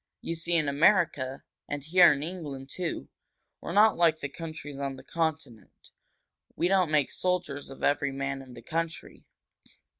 You see, in America, and here in England, too, we're not like the countries on the Continent. We don't make soldiers of every man in the country."